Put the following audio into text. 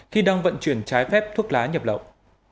khi đang vận chuyển trái phép thuốc lá nhập lậu